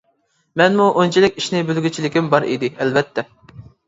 مەنمۇ ئۇنچىلىك ئىشنى بىلگۈچىلىكىم بار ئىدى ئەلۋەتتە.